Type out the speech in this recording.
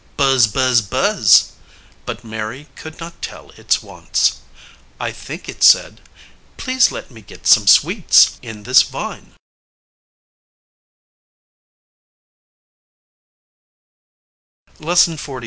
"Buzz! buzz! buzz!" but Mary could not tell its wants. I think it said, "Please let me get some sweets in this vine.